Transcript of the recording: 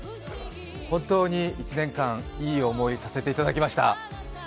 本当に１年間、いい思いさせていただきました。